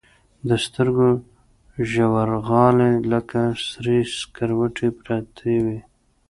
د سترګو ژورغالي لكه سرې سكروټې پرتې وي.